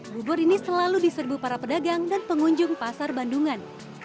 bubur ini selalu diserbu para pedagang dan pengunjung pasar bandungan